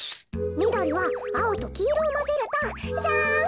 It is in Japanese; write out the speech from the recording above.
みどりはあおときいろをまぜるとジャン。